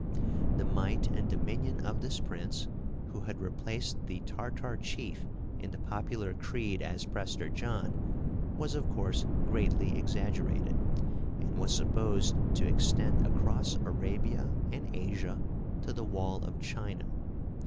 The might and dominion of this prince, who had replaced the Tartar chief in the popular creed as Prester John, was of course greatly exaggerated, and was supposed to extend across Arabia and Asia to the wall of China.